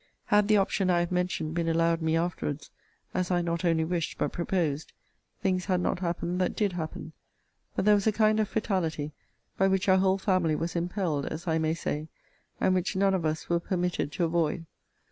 Had the option I have mentioned been allowed me afterwards, (as I not only wished, but proposed,) things had not happened that did happen. But there was a kind of fatality by which our whole family was impelled, as I may say; and which none of us were permitted to avoid.